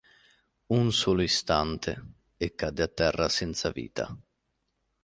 Un solo istante e cadde a terra senza vita.